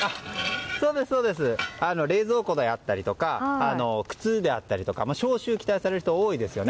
冷蔵庫であったりとか靴であったりとか消臭を期待される人多いですよね。